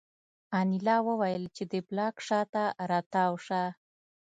انیلا وویل چې د بلاک شا ته را تاو شه